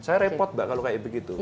saya repot mbak kalau kayak begitu